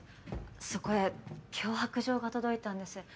そこへ脅迫状が届いたんです。